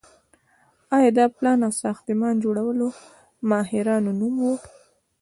دا د پلان او ساختمان جوړولو ماهرانو نوم و.